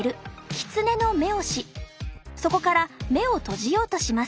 キツネの目をしそこから目を閉じようとします。